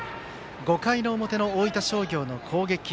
５回の表の大分商業の攻撃。